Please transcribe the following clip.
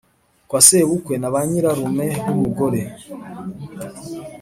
kwa sebukwe na ba nyirarume b' umugore,